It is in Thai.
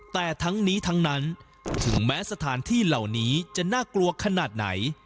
แต่ทั้งนี้ทั้งนั้นถึงแม้สถานที่เหล่านี้จะน่ากลัวขนาดไหน